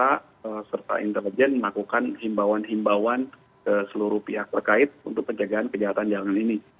kita serta intelijen melakukan himbauan himbauan ke seluruh pihak terkait untuk penjagaan kejahatan jalanan ini